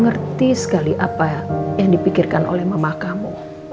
ngerti sekali apa yang dipikirkan oleh mama kamu